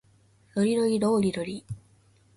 ロリロリローリロリ